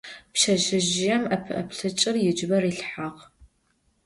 Pşseşsezjıêm epe'eplheç'ır yicıbe rilhhağ.